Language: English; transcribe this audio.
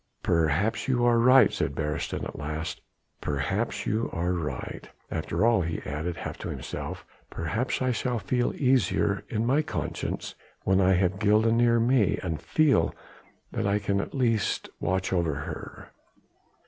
perhaps you are right," said Beresteyn at last, "perhaps you are right. After all," he added half to himself, "perhaps I shall feel easier in my conscience when I have Gilda near me and feel that I can at least watch over her."